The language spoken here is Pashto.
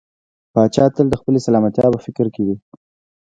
پاچا تل د خپلې سلامتيا په فکر کې وي .